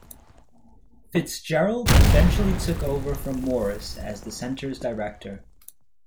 FitzGerald eventually took over from Morris as the center's director.